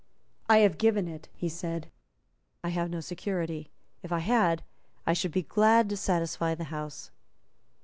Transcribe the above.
"I have given it," he said; "I have no security. If I had, I should be glad to satisfy the House."